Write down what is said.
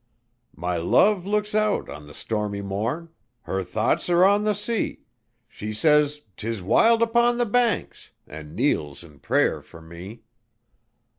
"My love looks out on the stormy morn, Her thoughts are on the sea. She says, ''Tis wild upon the Banks,' And kneels in prayer for me."